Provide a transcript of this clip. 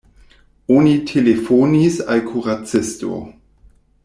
Oni telefonis al kuracisto.